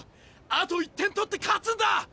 あと１点取って勝つんだ！